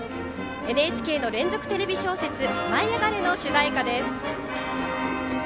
ＮＨＫの連続テレビ小説「舞いあがれ！」の主題歌です。